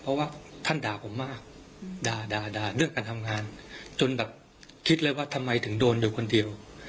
เพราะว่าท่านด่าผมมากด่าด่าเรื่องการทำงานจนแบบคิดเลยว่าทำไมถึงโดนอยู่คนเดียว